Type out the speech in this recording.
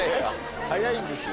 早いんですよ。